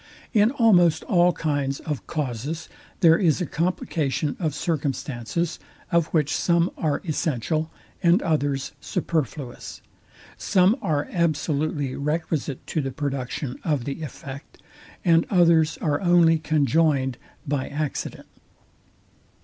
In almost all kinds of causes there is a complication of circumstances, of which some are essential, and others superfluous; some are absolutely requisite to the production of the effect, and others are only conjoined by accident.